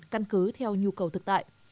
căn cứ theo nhu cầu thực tại